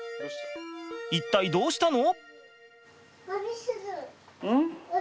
一体どうしたの？